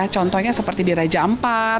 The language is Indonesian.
contohnya seperti di raja ampat